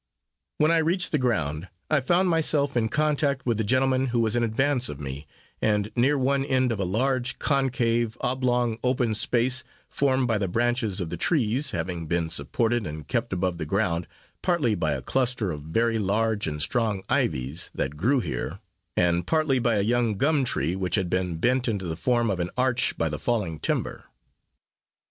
When I reached the ground, I found myself in contact with the gentleman who was in advance of me, and near one end of a large concave, oblong, open space, formed by the branches of the trees, having been supported and kept above the ground, partly by a cluster of very large and strong ivies, that grew here, and partly by a young gum tree, which had been bent into the form of an arch by the falling timber.